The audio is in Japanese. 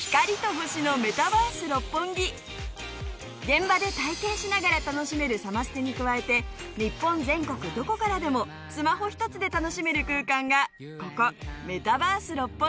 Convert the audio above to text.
現場で体験しながら楽しめるサマステに加えて日本全国どこからでもスマホ１つで楽しめる空間がここメタバース六本木。